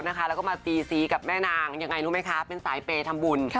แล้วก็มาซีซีกับแม่นางยังไงรู้ไหมคะเป็นสายเปย์ทำบุญ